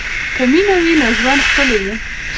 که مینه وي نو ژوند ښکلی وي.